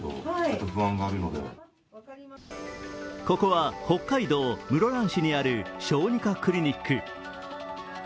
ここは北海道室蘭市にある小児科クリニック。